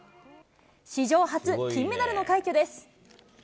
史上初、金メダルの快挙です。